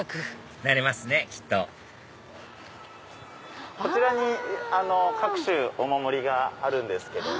なれますねきっとこちらに各種お守りがあるんですけども。